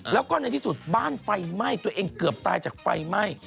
แล้วก็ในที่สุดบ้านไฟไหม้ตัวเองเกือบตายจากไฟไหม้